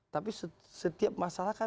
tapi setiap masalah kan